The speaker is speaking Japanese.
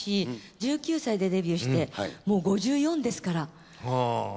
１９歳でデビューしてもう５４ですから。